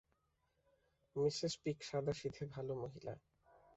Mrs Peak সাদাসিধে ভাল মহিলা।